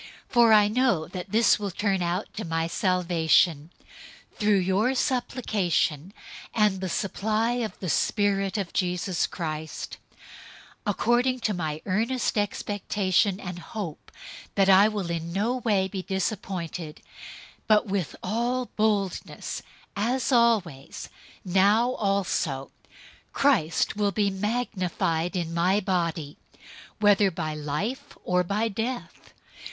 001:019 For I know that this will turn out to my salvation, through your supplication and the supply of the Spirit of Jesus Christ, 001:020 according to my earnest expectation and hope, that I will in no way be disappointed, but with all boldness, as always, now also Christ will be magnified in my body, whether by life, or by death.